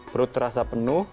perut terasa penuh